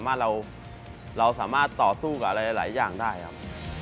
เราสามารถต่อสู้กับหลายอย่างได้ครับ